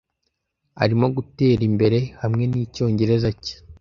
Arimo gutera imbere hamwe nicyongereza cye.